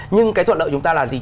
nhưng cái thuận lợi chúng ta là gì